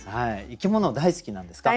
生き物大好きなんですか？